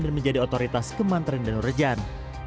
dan menjadi otoritas kemanteran dan rejan